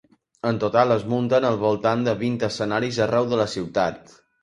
En total es munten al voltant de vint escenaris arreu de la ciutat.